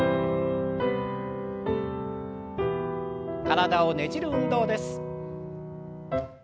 体をねじる運動です。